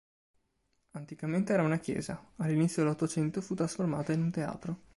Anticamente era una chiesa; all'inizio dell'Ottocento fu trasformata in un teatro.